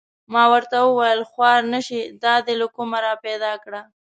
ما ورته و ویل: خوار نه شې دا دې له کومه را پیدا کړه؟